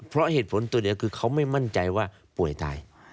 เพราะเหตุผลตัวเดียวคือเขาไม่มั่นใจว่าป่วยตาย